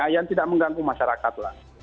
yang tidak mengganggu masyarakat lah